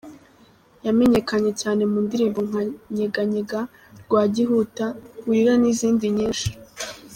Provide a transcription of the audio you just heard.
Yamenyekanye cyane mu ndirimbo nka Nyeganyega, Rwagihuta, Wirira n’izindi nyinshi.